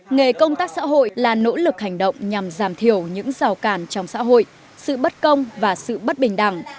nghề công tác xã hội là nỗ lực hành động nhằm giảm thiểu những rào cản trong xã hội sự bất công và sự bất bình đẳng